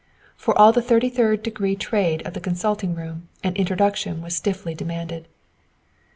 For all the thirty third degree trade of the "consulting room," an "introduction" was stiffly demanded.